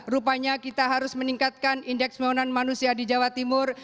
rupanya kita harus meningkatkan indeks pembangunan manusia di jawa timur